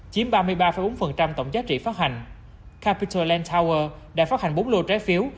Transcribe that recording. chiếm ba mươi ba bốn tổng giá trị phát hành capital land tower đã phát hành bốn lô trái phiếu